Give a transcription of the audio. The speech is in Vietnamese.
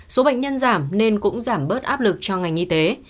số bệnh nhân giảm nên cũng giảm bớt áp lực cho ngành y tế